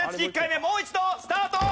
もう一度スタート！